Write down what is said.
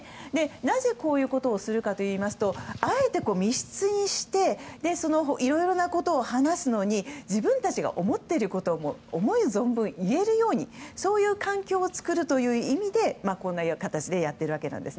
なぜこういうことをするかといいますとあえて密室にしていろいろなことを話すのに自分たちが思っていることを思う存分言えるようにそういう環境を作るという意味でこんな形でやっているんです。